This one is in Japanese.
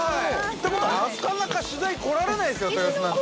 ◆なかなか取材来られないですよ、豊洲なんて。